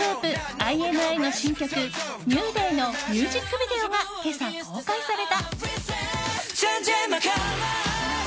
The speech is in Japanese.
ＩＮＩの新曲「ＮｅｗＤａｙ」のミュージックビデオが今朝、公開された。